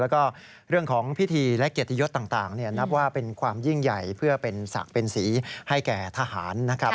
แล้วก็เรื่องของพิธีและเกียรติยศต่างนับว่าเป็นความยิ่งใหญ่เพื่อเป็นศักดิ์เป็นสีให้แก่ทหารนะครับ